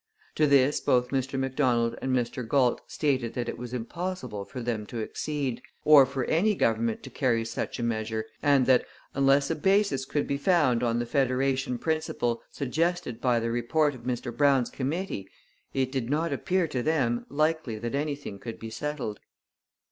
To this both Mr Macdonald and Mr Galt stated that it was impossible for them to accede, or for any Government to carry such a measure, and that, unless a basis could be found on the federation principle suggested by the report of Mr Brown's committee, it did not appear to them likely that anything could be settled.